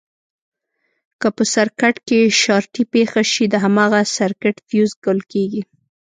که په سرکټ کې شارټي پېښه شي د هماغه سرکټ فیوز ګل کېږي.